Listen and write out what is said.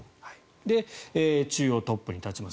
で、中央、トップに立ちます。